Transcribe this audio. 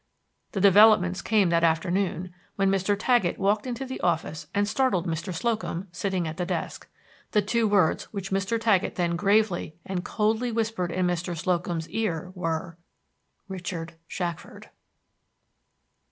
The developments came that afternoon when Mr. Taggett walked into the office and startled Mr. Slocum, sitting at the desk. The two words which Mr. Taggett then gravely and coldly whispered in Mr. Slocum's ear were, "RICHARD SHACKFORD."